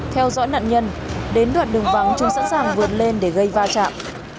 theo dõi nạn nhân đến đoạn đường vắng chúng sẵn sàng vượt lên để gây va chạm